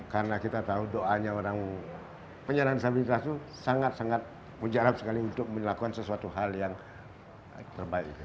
karena kita tahu doanya orang penyandang disabilitas itu sangat sangat menjarah sekali untuk melakukan sesuatu hal yang terbaik